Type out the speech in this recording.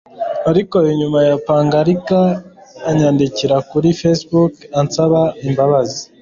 ariko nyuma arampagarika anyandikira kuri facebook ansaba imbabazi